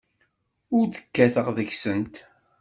Ur d-kkateɣ deg-sent.